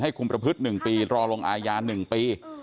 ให้คุมประพฤต๑ปีรอลงอายาน๑ปี